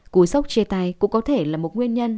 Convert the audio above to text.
cúi sóc chê tai cũng có thể là một nguyên nhân